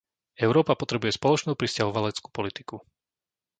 Európa potrebuje spoločnú prisťahovaleckú politiku.